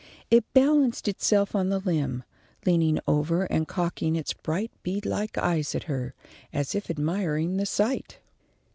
It balanced itself on the limb, leaning over and cocking its bright bead like eyes at her, as if admiring the sight.